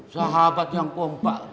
sahabat yang kompak